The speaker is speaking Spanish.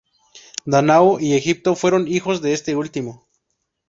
Dánao y Egipto fueron hijos de este último.